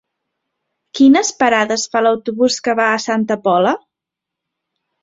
Quines parades fa l'autobús que va a Santa Pola?